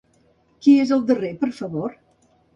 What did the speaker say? Qui és el darrer, per favor?